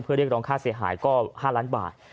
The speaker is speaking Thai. เรียกร้องค่าเสียหายก็๕ล้านบาท